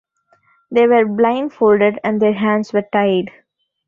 They were blind-folded and their hands were tied.